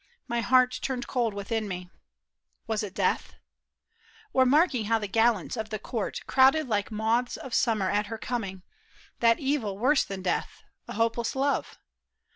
My heart turned cold within me. Was it death ? Or marking how the gallants of the court Crowded like moths of summer at her coming, That evil worse than death, a hopeless love.